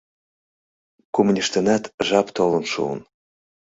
Кумыньыштынат жап толын шуын.